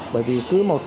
bởi vì cứ một